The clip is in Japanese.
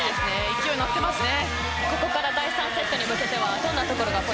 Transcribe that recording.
勢いに乗ってますね。